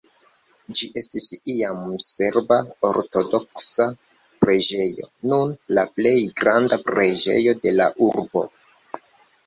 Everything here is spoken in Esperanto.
Ĝi estis iam serba ortodoksa preĝejo, nun la plej granda preĝejo de la urbo.